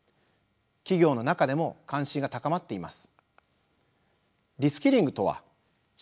企業の中でも関心が高まっています。